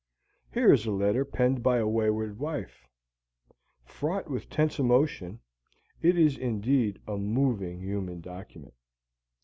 Here is a letter penned by a wayward wife. Fraught with tense emotion, it is indeed a moving human document.